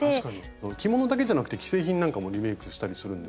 着物だけじゃなくて既製品なんかもリメイクしたりするんですか？